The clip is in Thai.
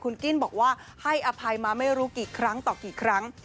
คุณกิ้นบอกว่าให้อภัยมาไม่รู้กี่ครั้งต่อกี่ครั้ง